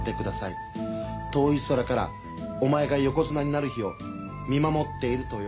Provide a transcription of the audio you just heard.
遠い空からお前が横綱になる日を見守っている」とよ。